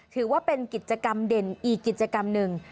ถือว่าเป็นกิจกรรมเด่นอีกกิจกรรมหนึ่ง